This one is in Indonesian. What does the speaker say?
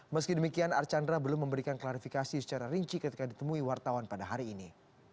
meski demikian archandra belum memberikan klarifikasi secara rinci ketika ditemui wartawan pada hari ini